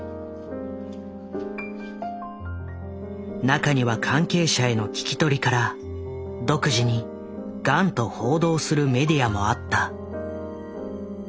中には関係者への聞き取りから独自にガンと報道するメディアもあった。